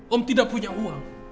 om tidak punya uang